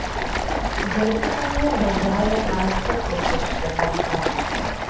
Зэрыпсэууэ гъэжьауэ къазхэр тепщэчкӀэ къахьащ.